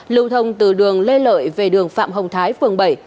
lưu thông từ đường lê lợi về đường phạm hồng thái phường bảy